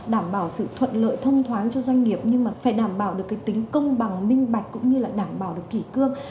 đảm bảo sự thuận lợi thông thoáng cho doanh nghiệp nhưng mà phải đảm bảo được cái tính công bằng minh bạch cũng như là đảm bảo được kỳ cương